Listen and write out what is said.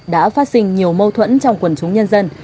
đã phát sinh nhiều mâu thuẫn trong quần chúng nhân dân